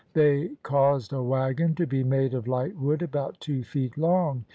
They caused a wagon to be made of light wood about two feet long.